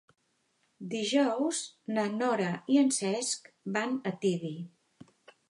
Dijous na Nora i en Cesc van a Tibi.